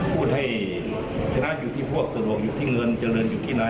พูดให้ชนะอยู่ที่พวกสะดวกอยู่ที่เงินเจริญอยู่ที่ไหน